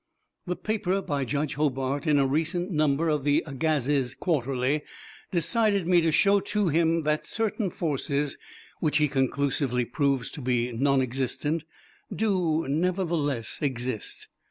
The paper by Judge Hobart in a recent number of the 'Agassiz Quarterly' decided me to show to him that certain forces which he conclusively proves to be non existent do, nevertheless, exist.